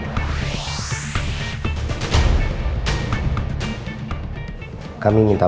boleh dibalik ini